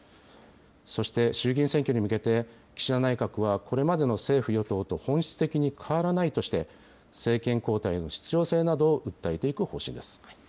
そして衆議院選挙に向けて、岸田内閣はこれまでの政府・与党と本質的に変わらないとして、政権交代の必要性などを訴えていく方針です。